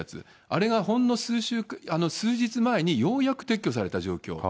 あれがほんの数日前に、ようやく撤去された状況。